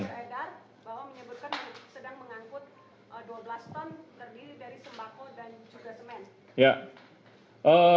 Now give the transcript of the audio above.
ada informasi yang teredat bahwa menyebutkan sedang mengangkut dua belas ton terdiri dari sembako dan juga semen